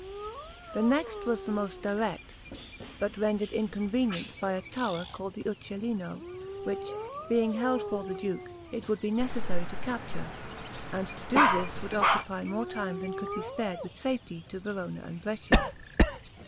The next was the most direct, but rendered inconvenient by a tower called the Uccellino, which being held for the duke, it would be necessary to capture; and to do this, would occupy more time than could be spared with safety to Verona and Brescia.